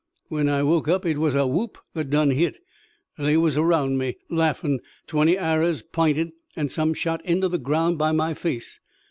When I woke up it was a whoop that done hit. They was around me, laughin', twenty arrers p'inted, an' some shot inter the ground by my face.